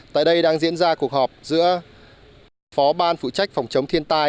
tại đây đang diễn ra cuộc họp giữa phó ban phụ trách phòng chống thiên tai